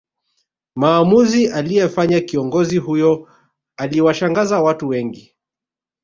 Maamuzi aliyefanya kiongozi huyo aliwashangaza watu wengi